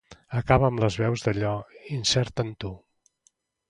Acaba amb les veus d'allò incert en tu.